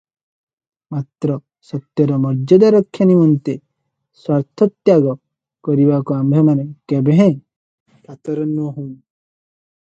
ମାତ୍ର ସତ୍ୟର ମର୍ଯ୍ୟାଦା ରକ୍ଷା ନିମନ୍ତେ ସ୍ୱାର୍ଥତ୍ୟାଗ କରିବାକୁ ଅମ୍ଭେମାନେ କେବେହେଁ କାତର ନୋହୁଁ ।